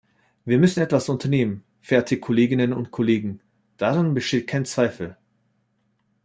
Wir müssen etwas unternehmen, verehrte Kolleginnen und Kollegen, daran besteht kein Zweifel.